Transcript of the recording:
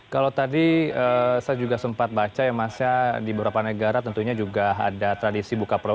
kalau tadi saya juga sempat baca ya mas ya di beberapa negara tentunya juga ada tradisi buka puasa